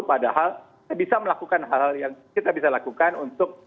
padahal kita bisa melakukan hal hal yang kita bisa lakukan untuk